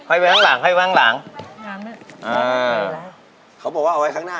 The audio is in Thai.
ไอ้นี่เราก้าวไว้ข้างหน้า